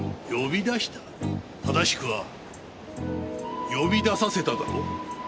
正しくは「呼び出させた」だろう。